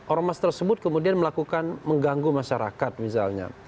ormas tersebut kemudian melakukan mengganggu masyarakat misalnya